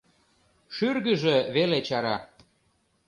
Шӱргыжӧ веле чара.